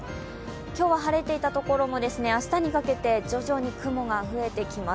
今日は晴れていたところも明日にかけて徐々に雲が増えていきます。